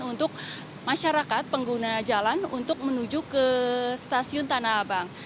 untuk masyarakat pengguna jalan untuk menuju ke stasiun tanah abang